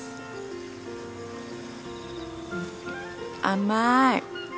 甘い！